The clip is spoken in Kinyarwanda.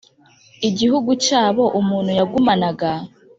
igihugu cyabo umuntu yagumanaga